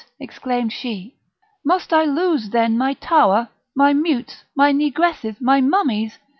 exclaimed she; "must I lose then my tower! my mutes! my negresses! my mummies!